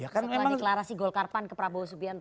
setelah deklarasi golkarpan ke prabowo subianto